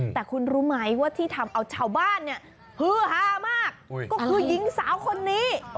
แต่คุณรู้ไหมว่าที่ทำเอาชาวบ้าน